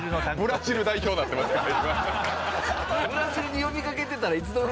ブラジル代表になってますけど。